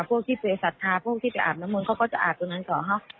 พวกที่เศรษฐาพวกที่จะอาบน้ำมือเขาก็จะอาบตรงนั้นก่อนครับ